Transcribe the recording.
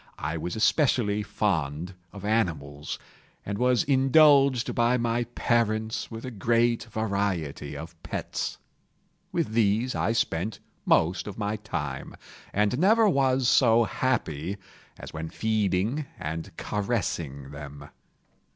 I was especially fond of animals, and was indulged by my parents with a great variety of pets. With these I spent most of my time, and never was so happy as when feeding and caressing them.